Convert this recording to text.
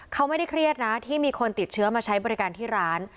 เขาไม่ได้เครียดนะที่มีคนติดเชื้อมาใช้บริการที่ร้าน